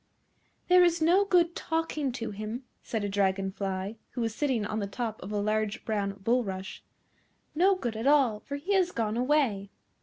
"There is no good talking to him," said a dragon fly, who was sitting on the top of a large brown bulrush; "no good at all, for he has gone away."